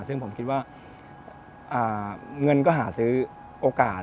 ซึ่งผมคิดว่าเงินก็หาซื้อโอกาส